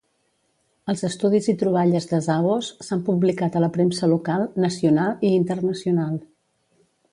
Els estudis i troballes de Zavos s'han publicat a la premsa local, nacional i internacional.